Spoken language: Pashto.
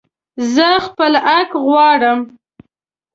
زه خپل حق غواړم